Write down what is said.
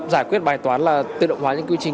giải quyết bài toán là tự động hóa những quy trình